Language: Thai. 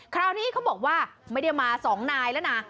คราวนี้เขาบอกว่าไม่ได้มา๒นายแล้วนะ